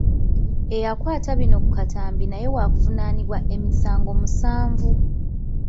Eyakwata bino ku katambi naye waakuvunaanibwa emisango musanvu.